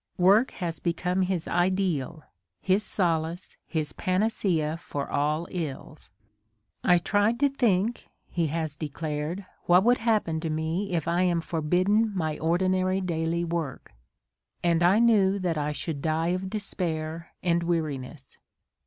Work has become his ideal, his solace, his panacea for all ills. I tried to think," he has declared, *'what would happen to me if I am forbidden my ordinary daily work : and I knew that I should die of despair and weariness."